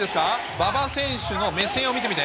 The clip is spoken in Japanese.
馬場選手の目線を見てみて。